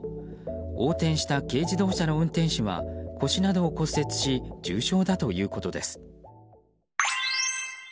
横転した軽自動車の運転手は腰などを骨折し重傷だということです。